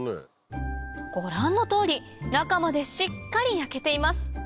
ご覧の通り中までしっかり焼けています